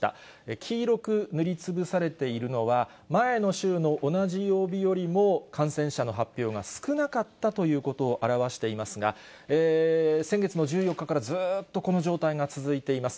黄色く塗りつぶされているのは、前の週の同じ曜日よりも感染者の発表が少なかったということを表していますが、先月の１４日からずーっとこの状態が続いています。